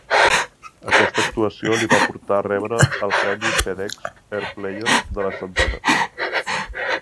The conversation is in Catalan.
Aquesta actuació li va portar a rebre el premi FedEx Air Player de la setmana.